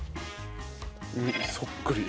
そっくり。